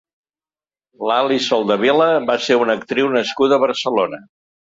Laly Soldevila va ser una actriu nascuda a Barcelona.